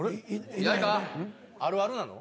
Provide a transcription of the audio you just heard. あるあるなの？